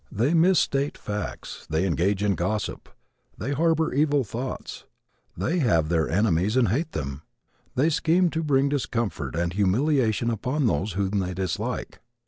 They misstate facts, they engage in gossip, they harbor evil thoughts, they have their enemies and hate them, they scheme to bring discomfort and humiliation upon those whom they dislike.